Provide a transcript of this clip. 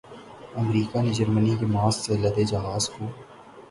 امریکا نے جرمنی کے ماسک سے لدے جہاز کو